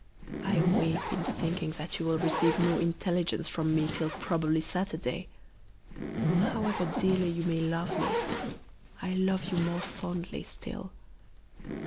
I weep in thinking that you will receive no intelligence from me till probably Saturday. However dearly you may love me, I love you more fondly still.